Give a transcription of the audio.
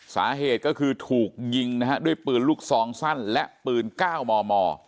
สาเหตุก็คือถูกยิงนะฮะด้วยปืนลูกซองสั้นและปืน๙มม